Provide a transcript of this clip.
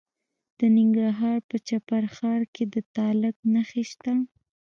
د ننګرهار په چپرهار کې د تالک نښې شته.